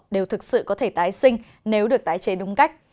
đều thực sự có thể tái sinh nếu được tái chế đúng cách